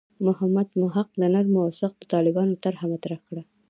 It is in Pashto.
محمد محق د نرمو او سختو طالبانو طرح مطرح کړه.